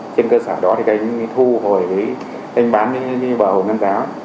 trên cơ sở đó thì anh thu hồi anh bán như bảo ngân giáo